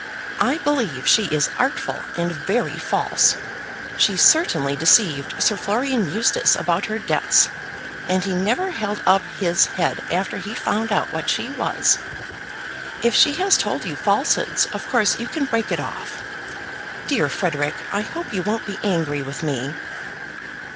I believe she is artful and very false. She certainly deceived Sir Florian Eustace about her debts; and he never held up his head after he found out what she was. If she has told you falsehoods, of course you can break it off. Dear Frederic, I hope you won't be angry with me."